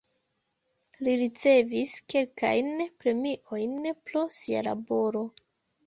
Li ricevis kelkajn premiojn pro sia laboro.